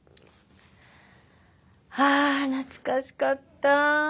あ懐かしかった！